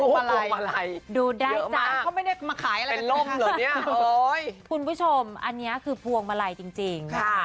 มาลัยเยอะมากเป็นลมเหรอเนี่ยโอ้ยคุณผู้ชมอันนี้คือพวงมาลัยจริงนะคะ